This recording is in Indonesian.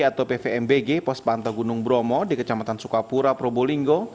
atau pvmbg pospanta gunung bromo di kecamatan sukapura probolinggo